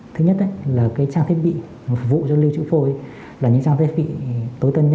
thứ nhất là trang thiết bị phục vụ cho lưu trữ phôi là những trang thiết bị tối tân